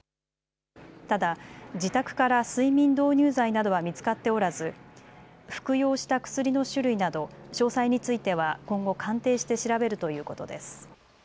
ただ自宅から睡眠導入剤などは見つかっておらず服用した薬の種類など詳細については今後、鑑定して調べるということです。